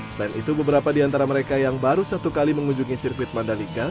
selain itu beberapa di antara mereka yang baru satu kali mengunjungi sirkuit mandalika